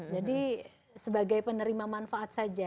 jadi sebagai penerima manfaat saja